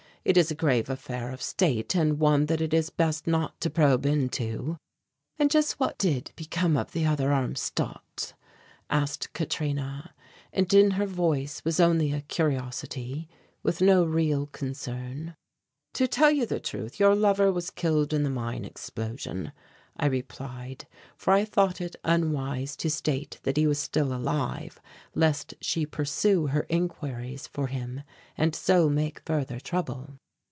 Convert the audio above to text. "It is a grave affair of state and one that it is best not to probe into." "And just what did become of the other Armstadt?" asked Katrina, and in her voice was only a curiosity, with no real concern. "To tell you the truth, your lover was killed in the mine explosion," I replied, for I thought it unwise to state that he was still alive lest she pursue her inquiries for him and so make further trouble.